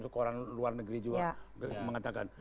orang luar negeri juga mengatakan